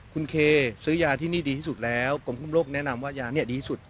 คุณเคซื้อยาที่นี่ดีที่สุดแล้วกรมคุมโรคแนะนำว่ายาเนี่ยดีที่สุด